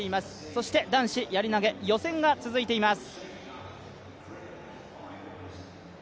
そして男子やり投予選が続いています。